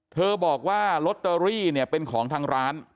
เธอบอกว่าลอตเตอรี่เนี่ยเป็นของทางร้าน